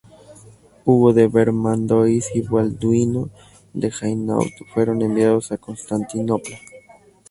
Hugo de Vermandois y Balduino de Hainaut fueron enviados a Constantinopla.